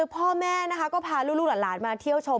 พ่อแม่นะคะก็พาลูกหลานมาเที่ยวชม